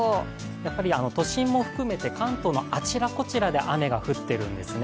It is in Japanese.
やっぱり都心も含めて関東のあちらこちらで雨が降っているんですね。